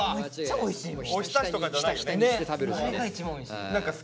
おひたしとかじゃないよね。